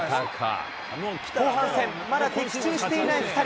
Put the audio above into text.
後半戦、まだ的中していない２人。